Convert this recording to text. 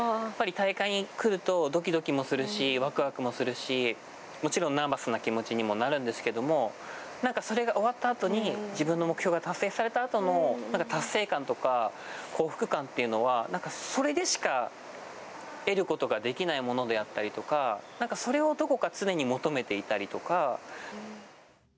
やっぱり大会に来るとドキドキもするしわくわくもするしもちろんナーバスな気持ちにもなるんですけれどもそれが終わったあとに自分の目標が達成された後の達成感とか幸福感というのはそれでしか得ることができないものであったりとかそれをどこか常に求めていたりとか。